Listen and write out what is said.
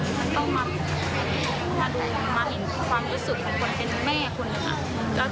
เขาไม่ได้รู้สึกอะไรเลยถ้ารู้สึกสักนิดจะไม่รู้สึกว่าเขาอย่าง